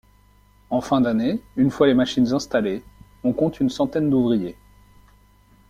En fin d’année, une fois les machines installées, on compte une centaine d’ouvriers.